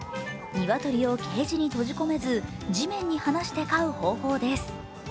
鶏をケージに閉じ込めず地面に放して飼う方法です。